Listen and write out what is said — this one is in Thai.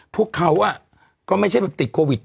พวกเขาก็ไม่ใช่ติดโควิด